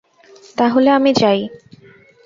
তা হলে আমি যাই।